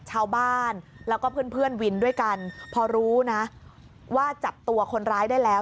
ชาวบ้านแล้วก็เพื่อนเพื่อนวินด้วยกันพอรู้นะว่าจับตัวคนร้ายได้แล้ว